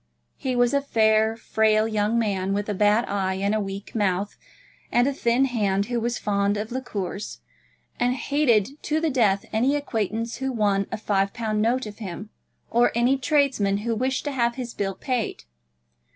He was a fair, frail young man, with a bad eye, and a weak mouth, and a thin hand, who was fond of liqueurs, and hated to the death any acquaintance who won a five pound note of him, or any tradesman who wished to have his bill paid.